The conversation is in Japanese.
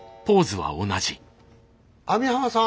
網浜さん？